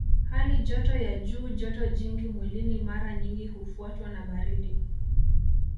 Hali joto ya juu joto jingi mwilini mara nyingi hufuatwa na baridi